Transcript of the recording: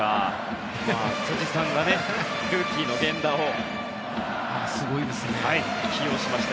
辻さんがルーキーの源田を起用しまして。